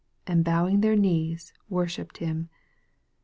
and bowing their knees worshipped him.